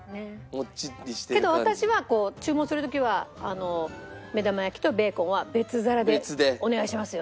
けど私は注文する時は目玉焼きとベーコンは別皿でお願いします